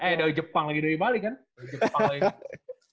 eh dari jepang lagi dari bali kan